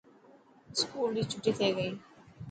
اسڪول ري ڇٽي ٿي گئي.